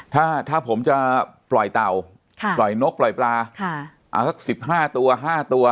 ถ้าถ้าผมจะปล่อยเต่าค่ะปล่อยนกปล่อยปลาค่ะเอาสักสิบห้าตัวห้าตัว